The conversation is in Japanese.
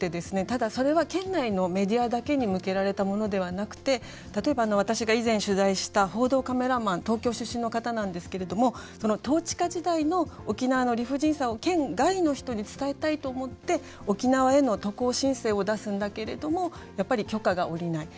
ただそれは県内のメディアだけに向けられたものではなくて例えば私が以前取材した報道カメラマン東京出身の方なんですけれどもその統治下時代の沖縄の理不尽さを県外の人に伝えたいと思って沖縄への渡航申請を出すんだけれどもやっぱり許可が下りない。